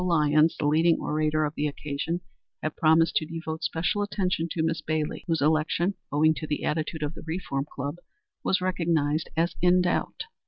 Lyons, the leading orator of the occasion, had promised to devote special attention to Miss Bailey, whose election, owing to the attitude of the Reform Club, was recognized as in doubt.